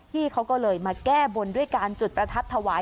พี่เขาก็เลยมาแก้บนด้วยการจุดประทัดถวาย